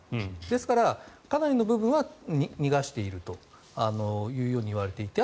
ですから、かなりの部分は逃がしているというようにいわれていて。